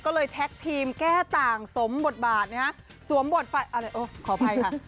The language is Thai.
ก็เลยแท็กทีมแก้ต่างสมบทบาทนะฮะสวมบทไฟอะไรโอ้ขออภัยค่ะ